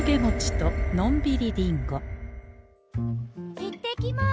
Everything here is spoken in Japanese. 行ってきます！